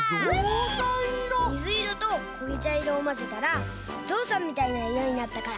みずいろとこげちゃいろをまぜたらぞうさんみたいないろになったから。